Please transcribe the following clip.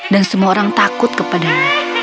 dan semua orang takut kepadanya